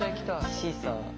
シーサー。